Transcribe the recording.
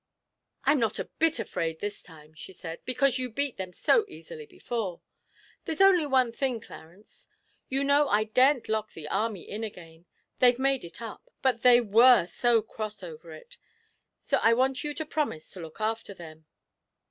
'I'm not a bit afraid this time,' she said, 'because you beat them so easily before; there's only one thing, Clarence. You know I daren't lock the army in again they've made it up; but they were so cross over it! So I want you to promise to look after them.'